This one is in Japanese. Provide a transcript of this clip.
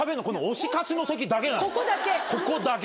ここだけ。